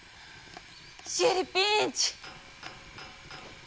シエリピーンチ！